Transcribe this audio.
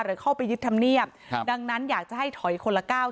หรือเข้าไปยึดธรรมเนียบครับดังนั้นอยากจะให้ถอยคนละก้าว